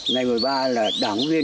ngày mười ba là đảng huyên